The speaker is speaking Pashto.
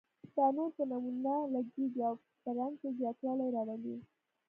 دا نور په نمونه لګیږي او په رنګ کې زیاتوالی راولي.